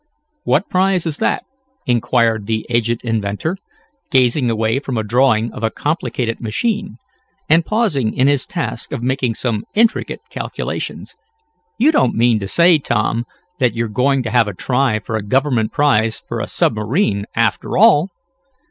"What prize is that?" inquired the aged inventor, gazing away from a drawing of a complicated machine, and pausing in his task of making some intricate calculations. "You don't mean to say, Tom, that you're going to have a try for a government prize for a submarine, after all."